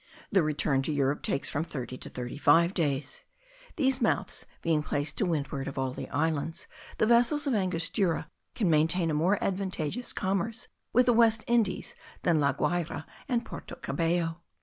The return to Europe takes from thirty to thirty five days. These mouths being placed to windward of all the islands, the vessels of Angostura can maintain a more advantageous commerce with the West Indies than La Guayra and Porto Cabello.